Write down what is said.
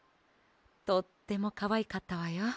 とってもかわいかったわよ。